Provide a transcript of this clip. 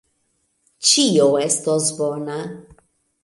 Ĉio estos bona.